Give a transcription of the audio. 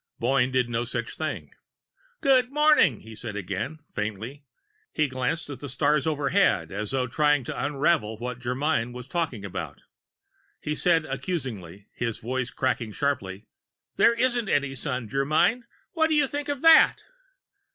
Boyne did no such thing. "Good morning," he said again, faintly. He glanced at the stars overhead, as though trying to unravel what Germyn was talking about. He said accusingly, his voice cracking sharply: "There isn't any Sun, Germyn. What do you think of that?"